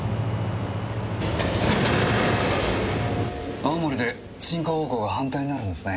青森で進行方向が反対になるんですね。